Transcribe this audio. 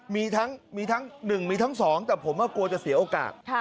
มีทั้งมีทั้ง๑มีทั้ง๒แต่ผมกลัวจะเสียโอกาส